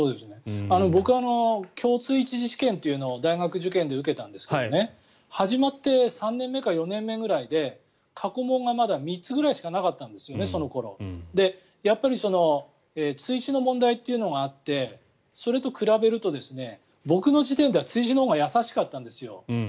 僕は共通１次試験というのを大学受験で受けたんですけど始まって３年目か４年目ぐらいで過去問がまだ３つくらいしかなかったんですね、その頃。追試の問題っていうのがあってそれと比べると僕の時点では追試のほうが易しかったんです。